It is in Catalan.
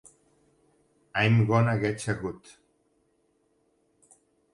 "I'm Gonna Getcha Good!"